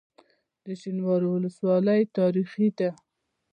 د شینوارو ولسوالۍ تاریخي ده